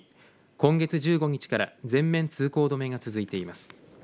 今月１５日から全面通行止めが続いています。